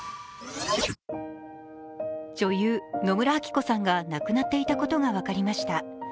女優、野村昭子さんが亡くなっていたことが分かりました。